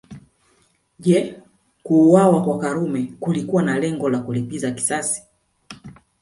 Je kuuawa kwa Karume kulikuwa na lengo la kulipiza kisasi